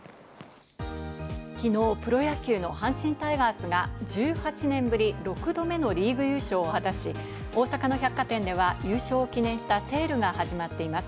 きのう、プロ野球の阪神タイガースが１８年ぶり６度目のリーグ優勝を果たし、大阪の百貨店では優勝を記念したセールが始まっています。